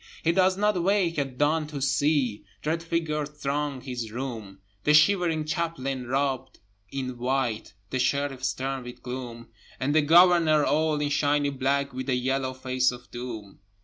He does not wake at dawn to see Dread figures throng his room, The shivering Chaplain robed in white, The Sheriff stern with gloom, And the Governor all in shiny black, With the yellow face of Doom.